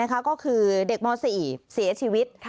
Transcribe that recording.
ก็คือเด็กม๔เสียชีวิต